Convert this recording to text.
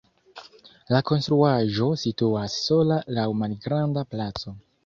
La konstruaĵo situas sola laŭ malgranda placo.